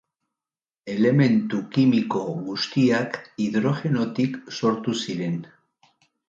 Elementu kimiko guztiak hidrogenotik sortu ziren.